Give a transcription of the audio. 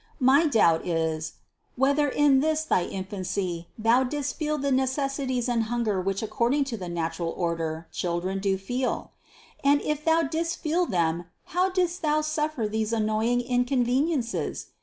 My doubt is : Whether in this thy infancy Thou didst feel the necessities and hunger which according to the natural order, children do feel? And if Thou didst feel them, how didst Thou suffer these an noying inconveniences?